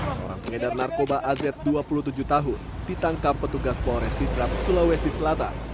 seorang pengedar narkoba az dua puluh tujuh tahun ditangkap petugas polres sidrap sulawesi selatan